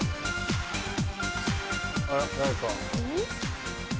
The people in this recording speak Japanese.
あら何か。